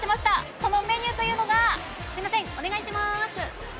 そのメニューというのがお願いします！